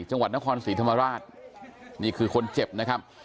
จังหวัดนครศรีธรรมราชนี่คือคนเจ็บนะครับ